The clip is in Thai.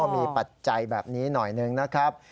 มีปัจจัยแบบนี้หน่อยหนึ่งนะครับ